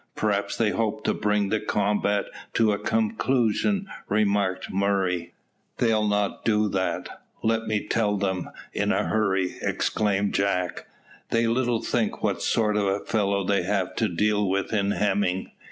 "Perhaps they hope to bring the combat to a conclusion," remarked Murray. "They'll not do that, let me tell them, in a hurry," exclaimed Jack; "they little think what sort of a fellow they have to deal with in Hemming.